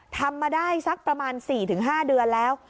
ทำมาได้สักประมาณ๔๕เดือนแล้ว